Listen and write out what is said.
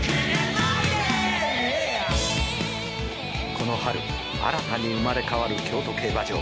この春新たに生まれ変わる京都競馬場。